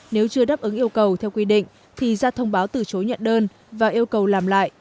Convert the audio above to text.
nếu chưa đáp ứng yêu cầu theo quy định thì ra thông báo từ chối nhận đơn và yêu cầu làm lại